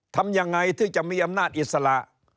ทำยังไงที่จะมีอำนาจอิสระ